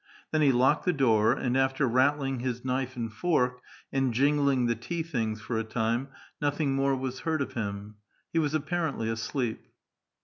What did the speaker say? Then he locked the door; and, after rattling his knife and fork, and jingling the tea things for a time, nothing more was heard of him. He was appar ently asleep.